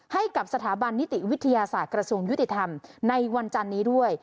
ให้กับสถาบันนิติวิทยาศาสตร์กระทรวงยุติธรรมในวันจันนี้ด้วย